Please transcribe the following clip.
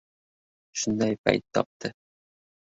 Shunday payt topdi.